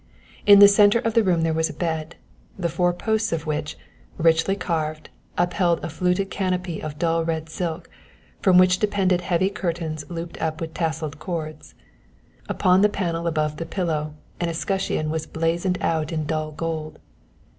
In the centre of the room there was a bed, the four posts of which, richly carved, upheld a fluted canopy of dull red silk from which depended heavy curtains looped up with tasselled cords. Upon the panel above the pillow an escutcheon was blazoned out in dull gold.